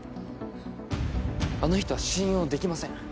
あの人は信用できません